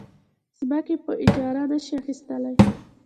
ځمکې په اجاره نه شي اخیستلی.